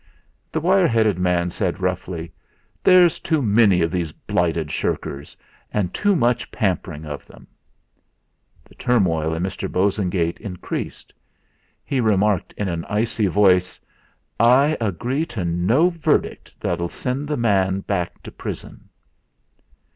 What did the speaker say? The wire headed man said roughly: "There's too many of these blighted shirkers, and too much pampering of them." The turmoil in Mr. Bosengate increased; he remarked in an icy voice: "I agree to no verdict that'll send the man back to prison."